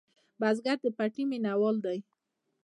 بزګر د پټي مېنهوال دی